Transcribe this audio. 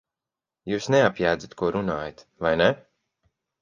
Jūs neapjēdzat, ko runājat, vai ne?